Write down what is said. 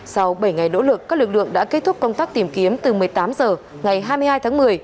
sau bảy ngày nỗ lực các lực lượng đã kết thúc công tác tìm kiếm từ một mươi tám h ngày hai mươi hai tháng một mươi